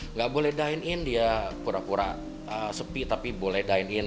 nggak boleh dine in dia pura pura sepi tapi boleh dine in